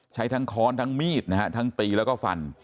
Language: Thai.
ใช้ทั้งค้อนทั้งมีดนะฮะทั้งตีแล้วก็ฟัน